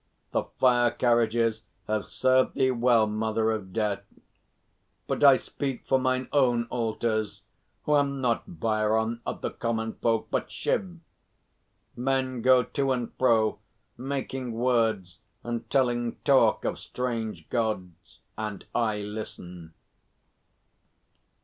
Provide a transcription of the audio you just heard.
The fire carriages have served thee well, Mother of Death. But I speak for mine own altars, who am not Bhairon of the Common Folk, but Shiv. Men go to and fro, making words and telling talk of strange Gods, and I listen.